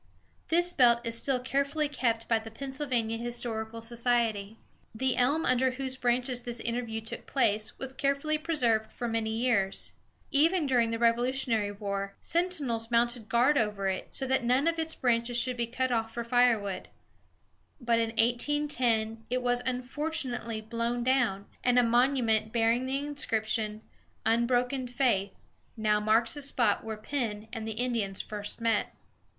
This belt is still carefully kept by the Pennsylvania Historical Society. The elm under whose branches this interview took place was carefully preserved for many years. Even during the Revolutionary War, sentinels mounted guard over it, so that none of its branches should be cut off for fire wood. But in 1810 it was unfortunately blown down, and a monument, bearing the inscription, "Unbroken faith," now marks the spot where Penn and the Indians first met.